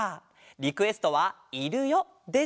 リクエストは「いるよ」です。